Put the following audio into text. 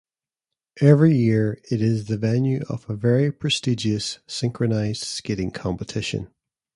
Every year, it is the venue of a very prestigious synchronized skating competition.